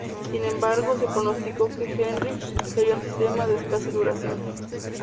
Sin embargo, se pronosticó que Henri sería un sistema de escasa duración.